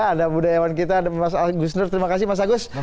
ada budayawan kita ada mas agus nur terima kasih mas agus